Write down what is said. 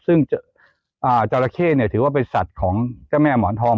ซึ่งจราเข้ถือว่าเป็นสัตว์ของเจ้าแม่หมอนทอง